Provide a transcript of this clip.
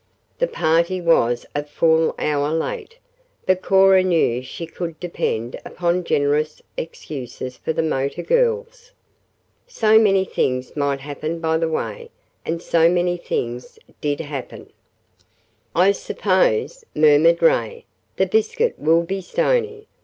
The party was a full hour late, but Cora knew she could depend upon generous excuses for the motor girls. So many things might happen by the way, and so many things did happen. "I suppose," murmured Ray, "the biscuit will be stony.